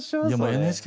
ＮＨＫ